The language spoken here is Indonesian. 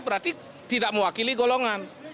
berarti tidak mewakili golongan